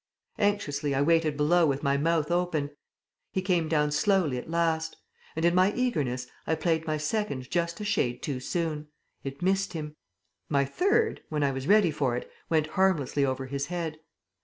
Anxiously I waited below with my mouth open; he came slowly down at last; and in my eagerness I played my second just a shade too soon. It missed him. My third (when I was ready for it) went harmlessly over his head.